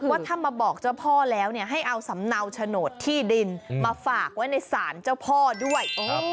ว่าถ้ามาบอกเจ้าพ่อแล้วให้เอาสำเนาโฉนดที่ดินมาฝากไว้ในศาลเจ้าพ่อด้วย